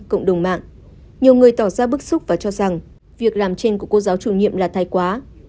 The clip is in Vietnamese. cộng đồng mạng nhiều người tỏ ra bức xúc và cho rằng việc làm trên của cô giáo chủ nhiệm là thay quá